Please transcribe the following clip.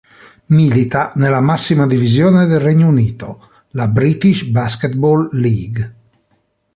Milita nella massima divisione del Regno Unito, la British Basketball League.